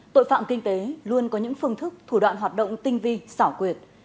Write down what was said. tội phạm kinh tế luôn có những phương thức thủ đoạn hoạt động tinh vi xảo quyệt